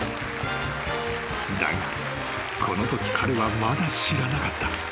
［だがこのとき彼はまだ知らなかった］